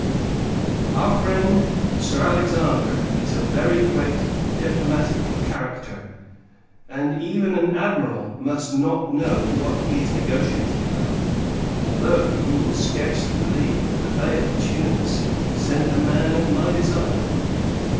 Our friend, Sir Alexander, is a very great diplomatic character; and, even an Admiral must not know what he is negotiating about: although you will scarcely believe, that the Bey of Tunis sent the man at my desire.